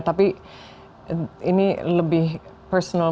tapi ini lebih personal